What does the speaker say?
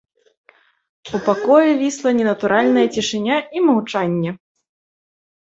У пакоі вісла ненатуральная цішыня і маўчанне.